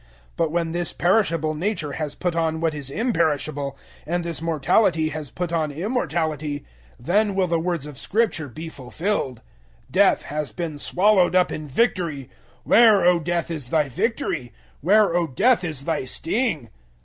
015:054 But when this perishable nature has put on what is imperishable, and this mortality has put on immortality, then will the words of Scripture be fulfilled, "Death has been swallowed up in victory." 015:055 "Where, O death, is thy victory? Where, O death, is thy sting?"